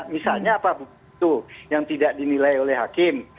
misalnya apa bukti itu yang tidak dinilai oleh hakim